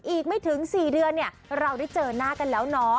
อีกไม่ถึง๔เดือนเราได้เจอหน้ากันแล้วน้อ